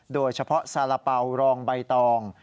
โดยเฉพาะสาระเป๋ารองใบตอง